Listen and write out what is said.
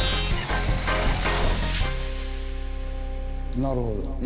なるほど。